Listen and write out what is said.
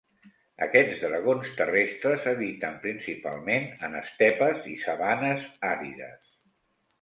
Aquests dragons terrestres habiten principalment en estepes i sabanes àrides.